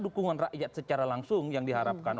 dukungan rakyat secara langsung yang diharapkan